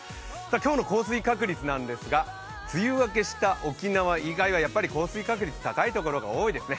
今日の降水確率なんですが、梅雨明けした沖縄以外はやっぱり降水確率高いところが多いですね。